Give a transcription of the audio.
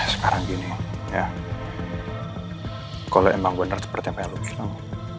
sekarang gini ya kalo emang bener seperti yang pak helo bilang